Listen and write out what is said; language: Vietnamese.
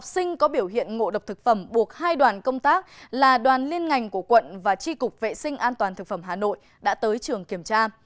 học sinh có biểu hiện ngộ độc thực phẩm buộc hai đoàn công tác là đoàn liên ngành của quận và tri cục vệ sinh an toàn thực phẩm hà nội đã tới trường kiểm tra